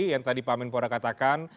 yang tadi pak menpora katakan